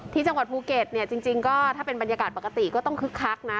ที่จังหวัดภูเก็ตเนี่ยจริงก็ถ้าเป็นบรรยากาศปกติก็ต้องคึกคักนะ